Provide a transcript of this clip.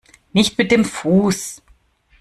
Nicht mit dem Fuß!